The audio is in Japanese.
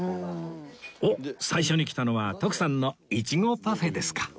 おっ最初に来たのは徳さんの苺パフェですか